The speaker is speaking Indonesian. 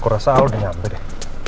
aku rasa aku udah nyampe deh